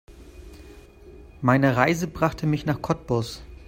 Meine Reise brachte mich nach Cottbus